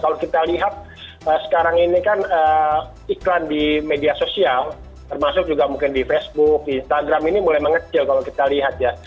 kalau kita lihat sekarang ini kan iklan di media sosial termasuk juga mungkin di facebook instagram ini mulai mengecil kalau kita lihat ya